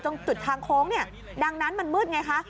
ตรงจุดทางโค้งดังนั้นมันมืดไงคะ